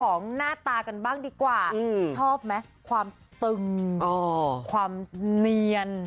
ของหน้าตากันบ้างดีกว่าชอบไหมความตึงความเนียน